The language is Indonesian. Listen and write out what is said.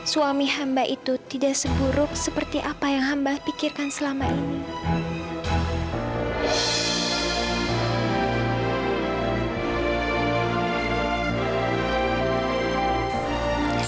suami hamba itu tidak seburuk seperti apa yang hamba pikirkan selama ini